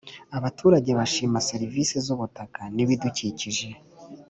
Abaturage bashima serivisi z’ ubutaka n’ ibidukikije